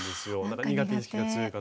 苦手意識が強い方。